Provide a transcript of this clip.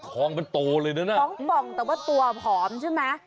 พร้อมกันโตเลยเนอะนะพร้อมป่องแต่ว่าตัวผอมใช่ไหม